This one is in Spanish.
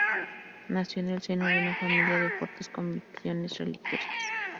Nació en el seno de una familia de fuertes convicciones religiosas.